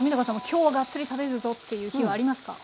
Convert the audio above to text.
今日はがっつり食べるぞっていう日はありますか？